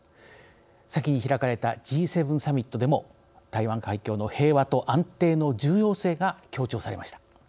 先に開かれたＧ７サミットでも台湾海峡の平和と安定の重要性が強調されました。